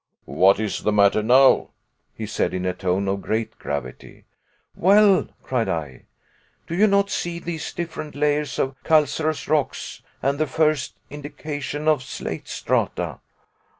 "What is the matter now?" he said, in a tone of great gravity. "Well," cried I, "do you not see these different layers of calcareous rocks and the first indication of slate strata?"